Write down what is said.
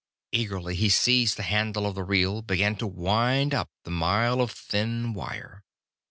Eagerly he seized the handle of the reel; began to wind up the mile of thin wire.